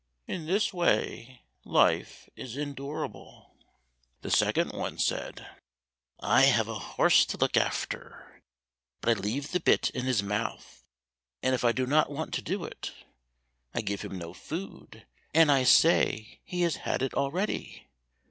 In this way life is endurable." The second said, "I have a horse to look after, but I leave the bit in his mouth, and if I do not want to do it, I give him no food, and I say he has had it already.